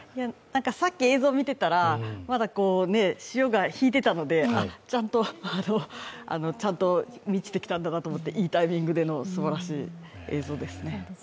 さっき映像を見てたら、潮が引いてたのでちゃんと満ちてきたんだと思っていいタイミングでのすばらしい映像ですね。